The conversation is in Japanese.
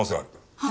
はい。